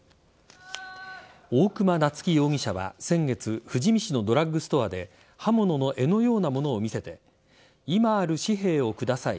大熊菜月容疑者は先月富士見市のドラッグストアで刃物の柄のようなものを見せて今ある紙幣をください